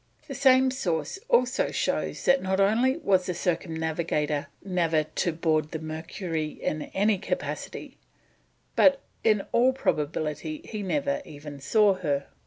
The same source also shows that not only was the Circumnavigator never on board the Mercury in any capacity, but in all probability he never even saw her.